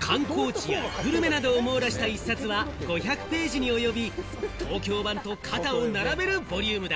観光地やグルメなどを網羅した１冊は、５００ページに及び、東京版と肩を並べるボリュームだ！